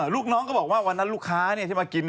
ลูกน้องก็บอกว่าวันนั้นลูกค้าที่มากิน